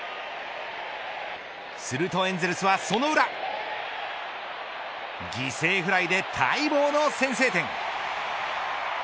するとエンゼルスはその裏犠牲フライで待望の先制点。